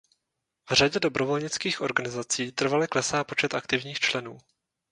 V řadě dobrovolnických organizací trvale klesá počet aktivních členů.